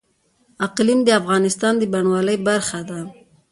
اقلیم د افغانستان د بڼوالۍ برخه ده.